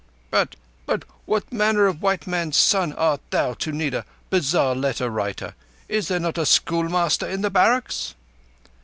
"But—but what manner of white man's son art thou to need a bazar letter writer? Is there not a schoolmaster in the barracks?"